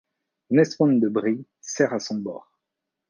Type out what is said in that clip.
Nesmond de Brie sert à son bord.